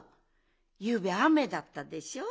ゆうべあめだったでしょ。